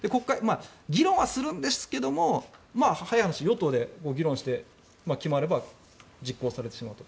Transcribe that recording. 議論はするんですけども早い話、与党で議論して決まれば、実行されてしまうと。